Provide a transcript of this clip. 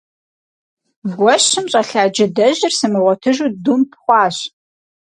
Гуэщым щӀэлъа джыдэжьыр сымыгъуэтыжу думп хъуащ.